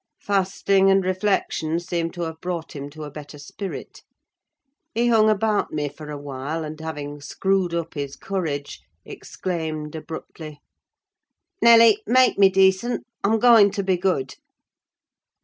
Fasting and reflection seemed to have brought him to a better spirit. He hung about me for a while, and having screwed up his courage, exclaimed abruptly—"Nelly, make me decent, I'm going to be good."